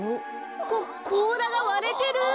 ここうらがわれてる！